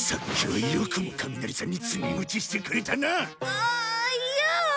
あいや。